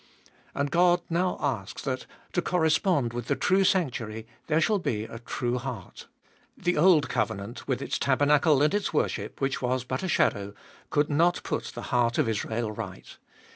And God now asks that, to correspond with the true sanctuary, there shall be a true heart. The old covenant, with its tabernacle and its worship, which was but a shadow, could not put the heart of Israel right.